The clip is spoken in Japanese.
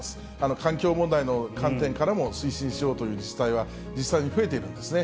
環境問題の観点からも推進しようという自治体は、実際に増えているんですね。